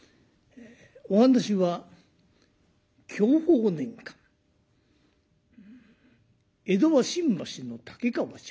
お噺は享保年間江戸は新橋の竹川町。